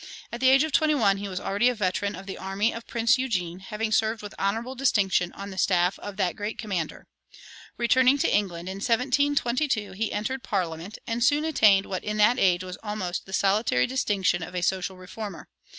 At the age of twenty one he was already a veteran of the army of Prince Eugene, having served with honorable distinction on the staff of that great commander. Returning to England, in 1722 he entered Parliament, and soon attained what in that age was the almost solitary distinction of a social reformer.